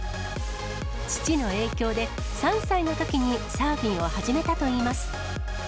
父の影響で、３歳のときにサーフィンを始めたといいます。